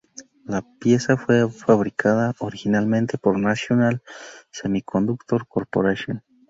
La pieza fue fabricada originalmente por National Semiconductor Corporation.